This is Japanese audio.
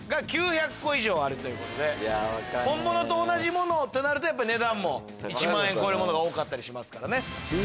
本物と同じものをってなると値段も１万円超えるものが多かったりしますからね。